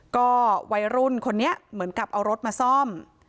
ก็วัยรุ่นคนนี้เหมือนกับเอารถมาซ่อม